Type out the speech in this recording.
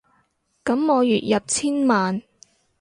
噉我月入千萬